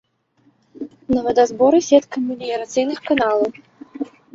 На вадазборы сетка меліярацыйных каналаў.